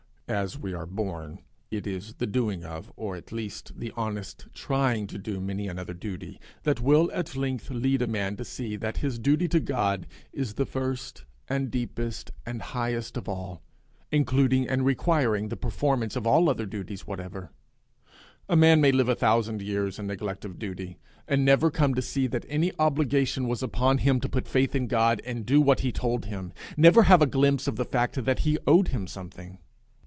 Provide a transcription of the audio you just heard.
As we are born, it is the doing of, or at least the honest trying to do many another duty, that will at length lead a man to see that his duty to God is the first and deepest and highest of all, including and requiring the performance of all other duties whatever. A man might live a thousand years in neglect of duty, and never come to see that any obligation was upon him to put faith in God and do what he told him never have a glimpse of the fact that he owed him something.